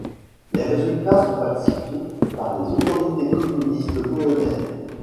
Les résultats sont falsifiés par les autorités communistes polonaises.